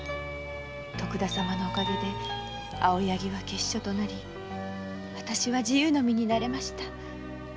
徳田様のおかげで「青柳」は闕所となりわたしは自由の身になれました。